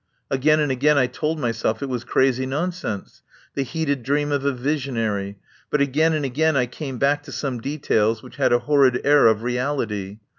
Again and again I told my self it was crazy nonsense, the heated dream of a visionary, but again and again I came back to some details which had a horrid air of real ity.